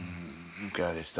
いかがでした？